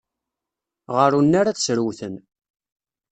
Ɣer unnar ad srewten.